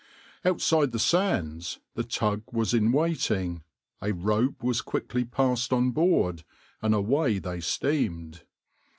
Outside the sands the tug was in waiting, a rope was quickly passed on board, and away they steamed.